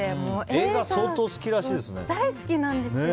映画、相当好きらしいですね。